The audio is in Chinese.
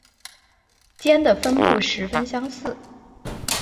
间的分别十分相似。